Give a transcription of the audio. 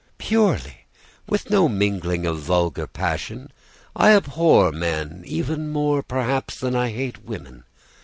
"'Purely, with no mingling of vulgar passion. I abhor men even more, perhaps than I hate women.